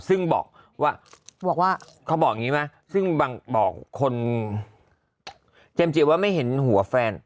ซึ่งบอกว่าเขาบอกอย่างนี้ไหมซึ่งบางบอกคนเจมส์จิว่าไม่เห็นหัวแฟน